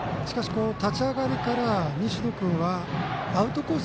立ち上がりから西野君はアウトコース